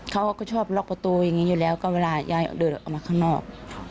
เขาก็ชอบล็อกประตูอย่างนี้อยู่แล้วก็เวลายายเดินออกมาข้างนอก